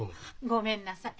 ごめんなさい。